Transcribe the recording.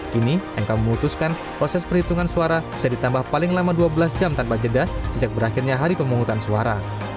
kini mk memutuskan proses perhitungan suara bisa ditambah paling lama dua belas jam tanpa jeda sejak berakhirnya hari pemungutan suara